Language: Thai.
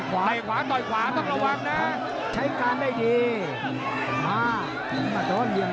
เข้าไม่ต้องเลี่ยงตัวนินานที่ไหน